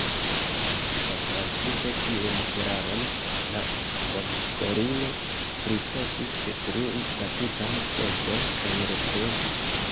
Konstatinte tiun eraron, la bonkorulo pripensis detrui la tutan stokon kaj represi.